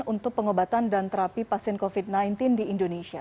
untuk pengobatan dan terapi pasien covid sembilan belas di indonesia